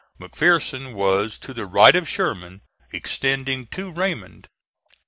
McPherson was to the right of Sherman, extending to Raymond.